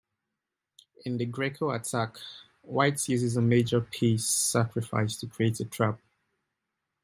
In the Greco Attack White uses a major piece sacrifice to create a trap.